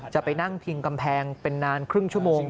จะไปนั่งพิงกำแพงเป็นนานครึ่งชั่วโมง